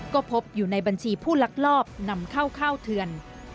ก็พบอยู่ในบัญชีผู้ลักลอบนำเข้าข้าวเถือน